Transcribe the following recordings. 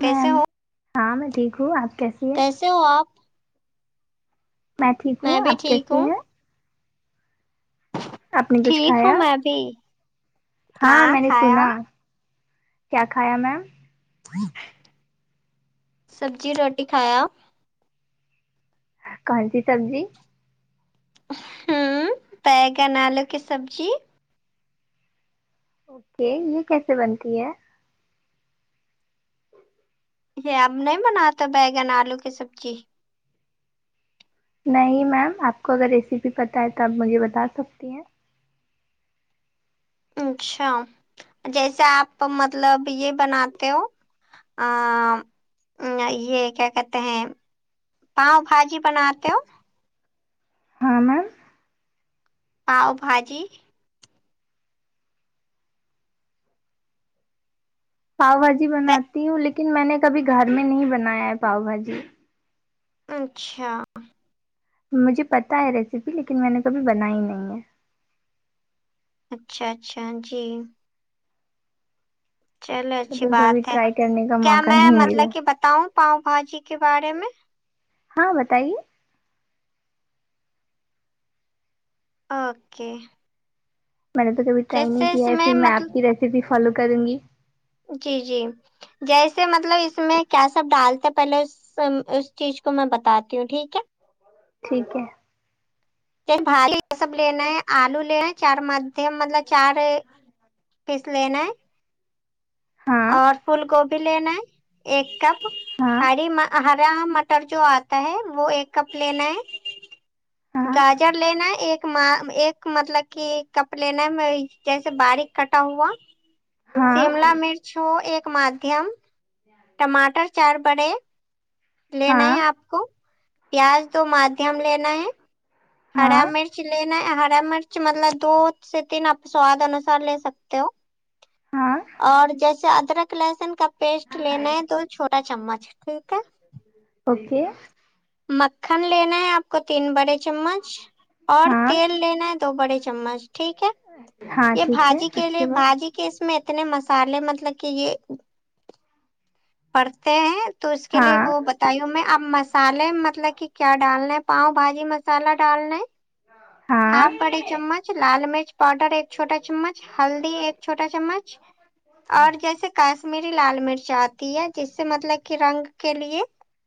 کیسے میم ہو ہاں میں ٹھیک ہوں اپ کیسے کیسے ہو اپ میں ٹھیک ہوں بھی اپ ٹھیک کیسی ہوں ہیں آپ نے کچھ ٹھیک ہوں کھایا میں بھی ہاں میں نے سنا کیا کھایا میم سبزی روٹی کھایا کون سی سبزی ہمم بیگن الو کی سبزی اوکے یہ کیسے بنتی ہے یہ اب نہیں بناتا بیگن الو کی سبزی نہیں میم اپ کو اگر ریسیپی پتا ہے تو اپ مجھے بتا سکتی ہیں اچھا جیسے اپ مطلب یہ بناتے ہو ا یہ کیا کہتے ہیں پاؤ بھاجی بناتے ہو ہاں میم پاؤ بھاجی پاؤ بھاجی بناتی ہوں لیکن میں نے کبھی گھر میں نہیں بنایا ہے پاؤ بھاجی اچھا مجھے پتہ ہے ریسیپی لیکن میں نے کبھی بنائی نہیں ہے اچھا اچھا جی چلو اچھی مطلب بات کبھی ہے ٹرائی کرنے کا کیا موقع میں نہیں مطلب ملا کہ ب بتاؤں پاؤ بھاجی کے بارے میں ہاں بتائیے اوکے میں نے تو کبھی ٹرائی نہیں جیسے اس کیا ہے پھر میں اپ کی مطلب ریسیپی فالو کروں گی جی جی جیسے مطلب اس میں کیا سب ڈالتے پہلے سن اس چیز کو میں بتاتی ہوں ٹھیک ہے ٹھیک ہے بھاجی یہ سب لینا ہے آلو لینا ہے چار م مطلب چار پیس لینا ہے ہاں اور پول گوبھی لینا ہے ایک کپ ہاں ہری ما ہرا مٹر جو آتا ہوتا ہے وہ ایک کپ لینا ہے ہاں گاجر لینا ہے ایک م ایک مطلب کہ کپ لینا ہے جیسے باریک کٹا ہوا ہاں شیملا مرچ ہو ایک مادھیم ٹماٹر چار بڑے لینا ہاں ہے آپ کو پیاز دو مادھیم لینا ہے ہرا ہاں مرچ لینا ہے ہرا مرچ مطلب دو سے تین آپ سواد انسار لے سکتے ہو ہاں اور جیسے ادرک لہسن کا پیسٹ لینا ہے دو چھوٹا چمچ ٹھیک ہے اوکے مکھن لینا ہے آپ کو تین بڑے چمچ اور ہاں تیل لینا ہے دو بڑے چمچ ٹھیک ہے ہاں ٹھیک ہے بھاجی اس کے لیے بعد بھاجی کہ اس میں اتنے مصالے مطلب کہ یہ پڑتے ہیں تو اس کے لیے ہاں وہ بتایوں میں اب مص الے مطلب کہ کیا ڈالنا ہے پاؤ بھاجی مسالہ ڈالنا ہے ہاں ہاف بڑے چمچ لال مرچ پاؤڈر ایک چھوٹا چمچ ہلدی ایک چھوٹا چمچ اور جیسے ک شمیری لال مرچ آتی ہے جس سے مطلب کہ رنگ کے لیے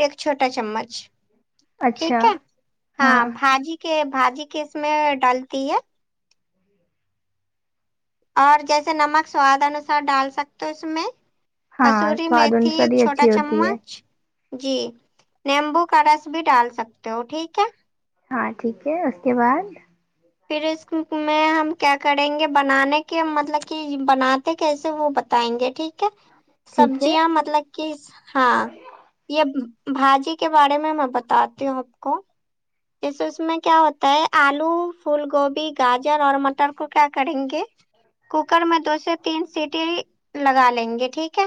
ایک چھوٹا چمچ ٹھیک اچھا ہے ہاں بھاجی کے بھاجی کے اس میں ڈلتی ہے اور جیسے نمک سواد انوسار ڈال سکتے ہو اس میں ہاں کسوری سواد میتھی ایک انساری چھوٹا اچھی ہوتی ہے چمچ جی نیمبو کا رس بھی ڈال سکتے ہو ٹھیک ہے ہاں ٹھیک ہے اس کے بعد پھر اس میں ہم کیا کریں گے بنانے کے مطلب کہ بنا تے کیسے وہ بتائیں گے ٹھیک کے ٹھیک ہے سبزیاں مطلب کہ س ہاں یہ ب بھاجی کے بارے میں میں بتاتی ہوں آپ کو جیسے اس میں کیا ہوتا ہے آلو پھول گوبھی گاجر اور مٹر کو کیا کریں گے کوکر میں دو سے تین سیٹی لگا لیں گے ٹھیک ہے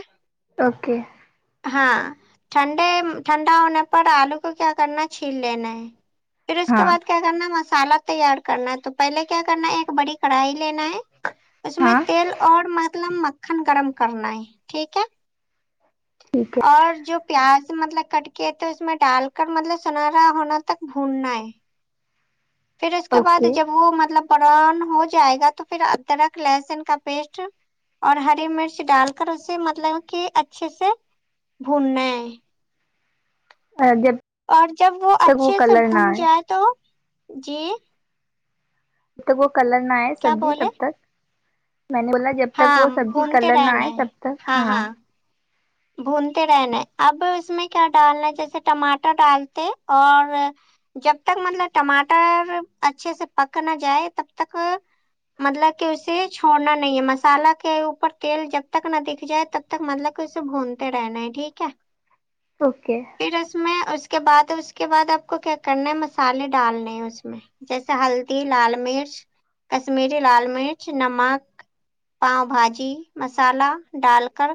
اوکے ہاں ٹھنڈے ٹھنڈا ہونے پر آلو کو کیا کرنا ہے چھیل لینا ہے پھر اس کے ہاں بعد کیا کرنا مصالا تیار کرنا ہے تو پہلے کیا کرنا ہے ایک بڑی کڑھائی لینا ہے اس میں ہاں تیل اور مطلب مکھن گرم کرنا ہے ٹھیک ہے ٹھیک ہے اور جو پیاز مطلب کٹ کے تو اس میں ڈال کر مطلب سنہرا ہونا تک بھوننا ہے پھر اس کے بعد اوکے جب وہ مطلب برون ہو جائے گا تو پھر ادرک لہسن کا پیسٹ اور ہری مرچ ڈال کر اسے مطلب کہ اچھے سے بھوننا ہے اور جب اور جب وہ تک اچھے سے کلر نہ بھون آئے جائے تو جی جب تک وہ کلر نہ آہے کیا سبزی بولے تب تک میں نے بولا جب تک ہاں وہ سبزی بھونتے کلر نہ رہنا آئے ہے تب تک ہاں بھونتے رہنا ہے اب اس میں کیا ڈالنا ہے جیسے ٹماٹر ڈالتے اور جب تک مطلب ٹماٹر اچھے سے پک نہ جائے تب تک مطلب کہ اسے چھوڑنا نہیں ہے مصالہ کے اوپر تیل جب تک نہ دکھ جائے تب تک مطلب کہ اس بھونتے رہنا ہے ٹھیک ہے اوکے پھر اس میں اس کے بعد اس کے بعد آپ کو کیا کرنا مسالے ڈالنے ہیں اس میں جیسے ہلدی لال مرچ کشمیری لال مرچ نمک پاؤ بھاجی مسالہ ڈال کر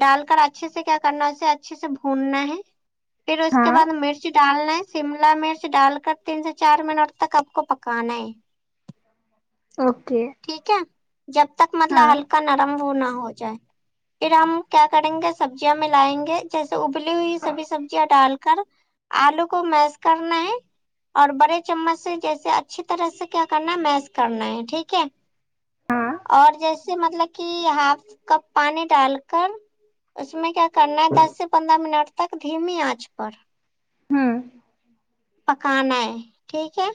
ڈال کر اچھے سے کیا کرنا اسے اچھے سے بھوننا ہے پھر اس کے ہاں بعد مرچ مرچ ڈالنا ہے شملہ مرچ ڈال کر تین سے چار منٹ تک آپ کو پکانا ہے اوکے ٹھیک ہے جب تک ہاں مطلب ہلکا نرم وہ نہ ہو جائے پھر ہم کیا کریں گے سبزیاں ملائیں گے جیسے ابلی ہوئی سبھی سبزیاں ڈال کر آلو کو میش کرنا ہے اور بڑے چمچ سے جیسے اچھی طرح سے کیا کرنا ہے میس کرنا ہے ٹھیک ہے ہاں اور جیسے مطلب کہ ہاف کپ پانی ڈال کر اس میں کیا کرنا ہے دس سے پندرہ منٹ تک دھیمی آنچ پر ہوں پکانا ہے ٹھیک ہے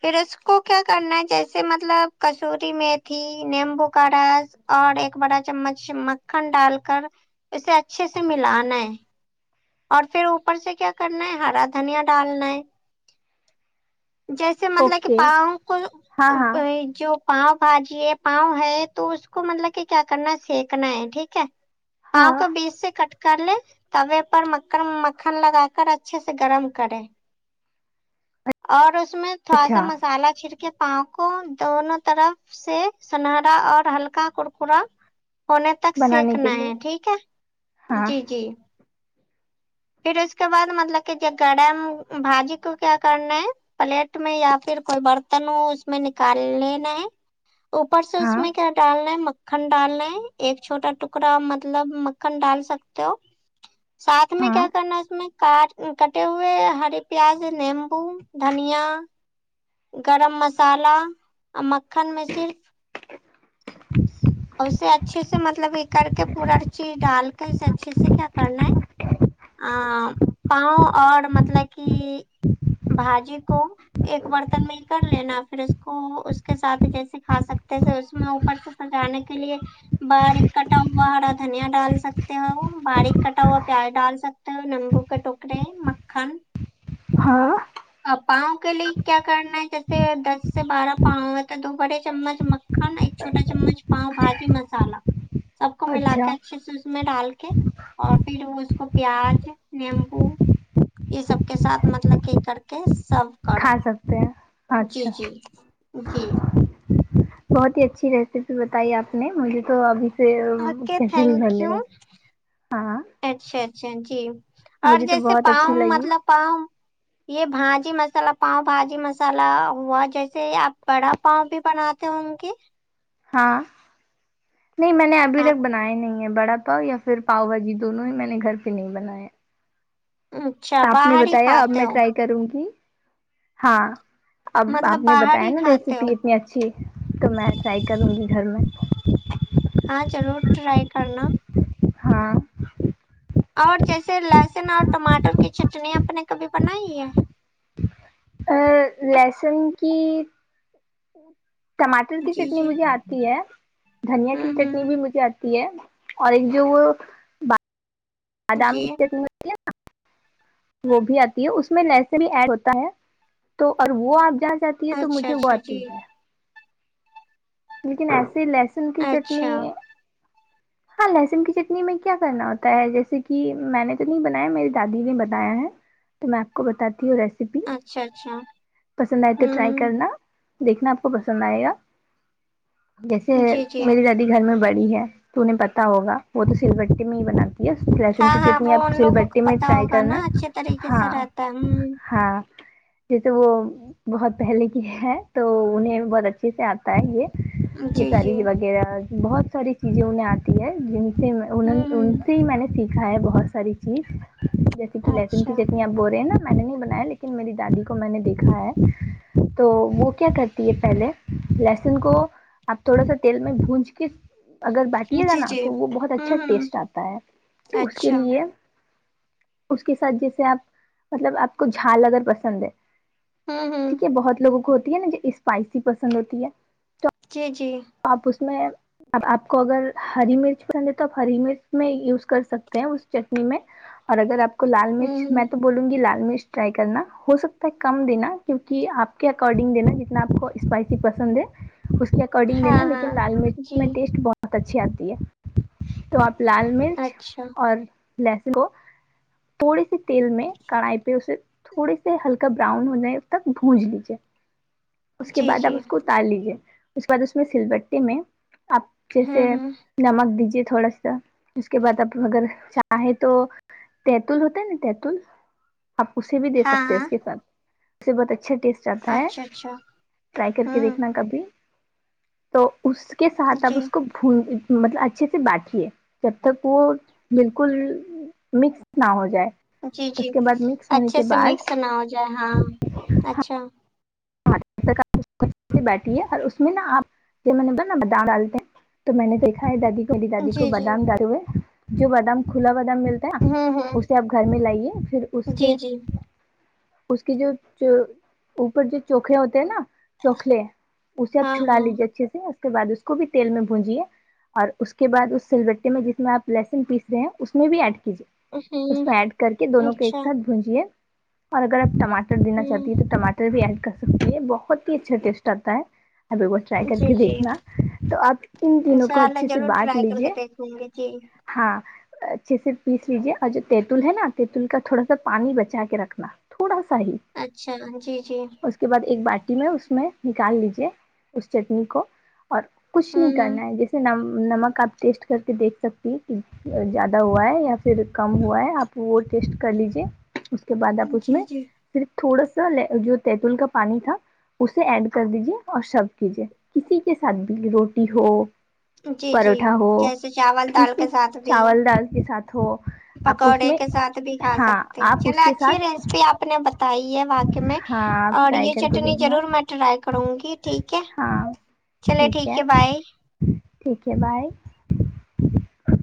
پھر اس کو کیا کرنا ہے جیسے مط مطلب کسوری میتھی نیمبو کا رس اور ایک بڑا چمچ مکھن ڈال کر اسے اچھے سے ملانا ہے اور پھر اوپر سے کیا کرنا ہے ہرا دھنیا ڈالنا ہے جیسے مطلب کہ اوکے پاؤ کو ہاں ہاں بھائی جو پاؤ بھاجی ہے پاؤ ہے تو اس کو مطلب کہ کیا کرنا سیکنا ہے ٹھیک ہے پاؤ ہاں کو بیج سے کٹ کر لے توا پر مکن مکھن لگا کر اچھے سے گرم کرے اور اس میں تھوڑا سا اچھا مسالا چھڑ کے پاؤ کو دونوں طرف سے سنہرا اور ہلکا کرکرا ہونے تک بنانے کے سیکھنا لیے ہے ٹھیک ہے ہاں جی جی پھر اس کے بعد مطلب کہ گرم بھاجی کو کیا کرنا ہے پلیٹ میں یا پھر کوئی برتن ہو اس میں نکال لینا ہے اوپر سے اس ہاں میں کیا ڈالنا ہے مک مکھن ڈالنا ہے ایک چھوٹا ٹکڑا مطلب مکھن ڈال سکتے ہو ساتھ میں ہاں کیا ن اس میں کاٹ کٹے ہوئے ہری پیاز نیمبو دھنیا گرم مسالہ اور مکھن میں صرف اور اسے اچھے سے مطلب یہ کر کے پوراچیز ڈال کے اسے اچھے سے کیا کرنا ہے ا پاؤ اور مطلب کہ بھاجی کو ایک برتن میں ہی کر لینا پھر اس کو اس کے ساتھ جیسے کھا سکتے ہے اس میں اوپر سے سجانے چلیے باریک کٹا ہوا ہرا دھنیا ڈال سکتے ہو وہ باریک کٹا ہوا پیاز ڈال سک تے ہو نمبو کا ٹوکرے مکھن ہاں پاؤ کے لیے کیا کرنا ہے جیسے دس سے بارہ پاؤ ہے تو دو بڑے چمچ مکھن چھوٹا چمچ پاؤ بھاجی مسالا سب کو ملا اچھا کے اچھے سے اس میں ڈال کے اور پھر وہ اس کو پیاز نیمبو یہ سب کے ساتھ مطلب کہ کر کے سب کرو کھا سکتے ہیں جی اچھا جی جی بہت ہی اچھی ریسیپی بتائی آپ نے مجھے تو ابھی اوکے تھینک یو [unintelligible] ہاں اچھا اچھا جی اور مجھے تو جیسے بہت اچھی پاؤ لگی مطلب پاؤ یہ بھاجی مصالا پاؤ بھاجی مصالا ہوا جیسے آپ بڑا پاؤ بھی بناتے ہو ان کی ہاں نہیں میں نے ابھی تک بنایا نہیں ہے وڑا پاؤ یا پھر پاؤ بھاجی دونوں ہی میں نے گھر پہ نہیں بنائے اچھا آپ نے باہر ہی بتایا اب کھاتے میں ہو ٹرائی کروں گی ہاں اب مطلب آپ نے باہر بتایا ہی نا کھاتے ہو ریسیپی اتنی اچھی تو میں ٹرائی کروں گی گھر میں ہاں ضرور ٹرائی کرنا ہاں اور جیسے لہسن اور ٹماٹر کی چٹنی آپ نے کبھی بنائی ہے ا لہسن کی ٹماٹر کی جی چٹنی جی مجھے آتی ہے دھنیا کی ہوں چٹنی بھی ہوں مجھے آ تی ہے اور ایک جو وہ جی [unintelligible] وہ بھی آتی ہے اس میں لہسن ہی ایڈ ہوتا ہے تو اور وہ آپ جہاں سے یہ تو اچھا مجھے وہ اچھا جی آتی ہے لیکن ایسی لہسن کی اچھا چٹنی ہاں لہسن کی چٹنی میں کیا کرنا ہوتا ہے جیسے کہ میں نے تو نہیں بنایا میری دادی نے بنایا ہے تو میں آپ کو بتاتی ہوں ریسیپی اچھا اچھا پسند آئے تو ٹرائی ہوں کرنا دیکھنا آپ کو پسند آئے گا جیسے جی جی میری دادی گھر میں بڑی ہے تو انہیں پتہ ہوگا وہ تو سل بٹی میں ہی بناتی یس لہسن ہاں کی ہاں چٹنی وہ اپ ان سل لوگوں کو بٹی میں پتا ٹرائی ہوگا نا کرنا اچھے طریقے سے ہاں رہتا ہے ہوں ہاں جیسے وہ بہت پہلے کی ہے تو انہیں بہت اچھے سے آتا ہے یہ یہ جی جی ساری ہوں وغیرہ بہت ساری چیزیں انہیں آتی ہے جن سے ان ہوں سے ہی میں نے سیکھا ہے بہت ساری چیز جیسے کہ لہسن اچھا کی چٹنی آپ بول رہے ہیں نا میں نے نہیں بنایا لیکن میری دادی کو میں نے دیکھا ہے تو وہ کیا کرتی ہے پہلے لہسن کو اب تھوڑا سا تیل میں بھونج کے اگر بٹیے گا جی نا جی تو وہ بہت اچھا ہوں ہوں ٹیسٹ آتا ہے تو اس کے اچھا لیے اس کے ساتھ جیسے آپ مطلب آپ کو جھال اگر پسند ہے ہوں ہوں ٹھیک ہے بہت لوگوں کو ہوتی ہے نا جو اسپائسی پسند ہوتی ہے جی جی آپ اس میں اب آپ کو اگر ہری مرچ پسند ہے تو آپ ہری مرچ میں یوز کر سکتے ہیں اس چٹنی میں اور اگر آپ کو لال مرچ ہوں میں ہوں تو بولوں گی لال مرچ ٹرائی کرنا ہو سکتا ہے کم دینا کیونکہ آپ کے اکارڈنگ دینا جتنا آپ کو اسپائسی پسند ہے اس کے اکارڈنگ ہاں دینا ہاں لیکن لال مرچ جی میں ٹیسٹ بہت اچھی آتی ہے تو آپ لال مرچ اچھا اور لہسن کو تھوڑی سی تیل میں کڑھائی پہ اسے تھوڑی سے ہلکا براؤن ہو نے تک بھونج لیجیے اس کے جی بعد آپ جی اس کو اتار لیجیے اس کے بعد اس میں سل بٹے میں آپ جیسے ہوں ہوں نمک دیجیے تھوڑا سا اس کے بعد آپ اگر چاہیں تو تیتول ہوتا ہے نہ تیتول آپ اسے بھی دے ہاں سکتے ہیں ہاں اس کے ساتھ اسے بہت اچھا ٹیسٹ جاتتا ہے اچھا اچھا ٹرائی کر کے ہوں دیکھنا کبھی تو اس کے ساتھ اب جی اس کو بھو مطلب اچھے سے باٹھیے جب تک وہ بالکل مکس نہ ہو جائے جی جی اس کے بعد مکس ہونے اچھے کے سے بعد مکس نہ ہو جائے ہاں اچھا [unintelligible] تو میں نے دیکھا ہے دادی کو میری دادی کو جی جی بادام ڈالتے ہوئے جو بادام کھلا بادام مل تا ہوں ہوں اسے آپ گھر میں لائیے پھر اس جی کے جی اس کے جو اوپر جو چوکھلے ہوتے ہیں نا چوکھلے اسے اپ ہاں چھڑا ہاں لیجیے اچھے سے اس کے بعد اس کو بھی تیل میں بونجیے اور اس کے بعد اس سل بٹے میں جس میں آپ لہسن پیستے ہیں اس میں بھی ایڈ کیجیے اس ہوں میں ایڈ کر کے دونوں کو ایک اچھا ساتھ بھونجیے اور اگر آپ ٹماٹر دینا ہوں چاہتی ہیں تو ٹماٹر بھی ایڈ کر س بہت ہی اچھا ٹیسٹ آتا ہے ابھی وہ کو ٹرائی کر جی کے جی دیکھنا تو آپ ان تینوں کو انشاء اللہ اچھے سے ضرور بانٹ ٹرائی کر کے لیجیے دیکھوں گی جی ہاں اچھے سے پیس لیجیے اور جو تیتل ہے نا تینتل کا تھوڑا سا پانی بچا کے رکھنا تھوڑا سا ہی اچھا جی جی اس کے بعد ایک باٹی میں اس میں نکال لیجے اس چٹنی کو اور کچھ نہیں ہوں کرنا ہے جس نم نمک آپ ٹیسٹ کر کے دیکھ سکتی کہ زیادہ ہوا ہے یا پھر کم ہوا ہے آپ وہ ٹیسٹ کر لیجے اس کے بعد آپ اس جی میں جی پھر تھوڑا سا جو تتول کا پانی تھا اسے ایڈ کر دیجیے اور شب کیجے کسی کے ساتھ بھی روٹی ہو جی جی پروٹھا ہو جیسے چاول دال کسی کے ساتھ بھی چاول دال کے ساتھ ہو آپ اس پکوڑے میں کے ساتھ بھی کھا ہاں سکتے آپ اس چلو کے اچھی ساتھ ریسیپی آپ نے بتائی ہے با میں ہاں آپ اور ٹرائی یہ کر کے چٹنی دیکھنا ضرور میں ٹرائی کڑوں گی ٹھیک ہے ہاں چلے ٹھیک ہے بائے ٹھیک ہے بائے